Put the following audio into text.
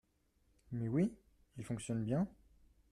Mais oui ! il fonctionne bien !…